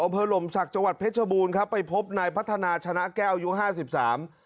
อำเภอหลมศักดิ์จังหวัดเพชรบูรณ์ครับไปพบนายพัฒนาชนะแก้วอายุห้าสิบสาม